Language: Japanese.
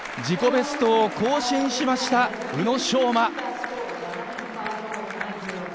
自己ベストを更新しました、宇野昌磨。